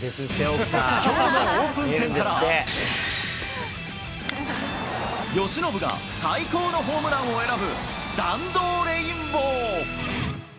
きょうのオープン戦から、由伸が最高のホームランを選ぶ、弾道レインボー。